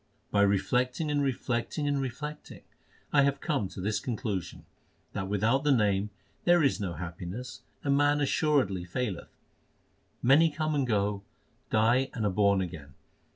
By reflecting and reflecting and reflecting I have come to this conclusion, That without the Name there is no happiness and man assuredly faileth. Many come and go, die and are born again.